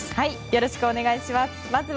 よろしくお願いします。